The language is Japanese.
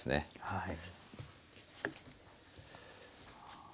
はい。